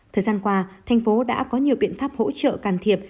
thời gian qua tp hcm đã có nhiều biện pháp hỗ trợ can thiệp